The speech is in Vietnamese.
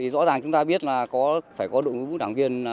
rõ ràng chúng ta biết là phải có đủ đảng viên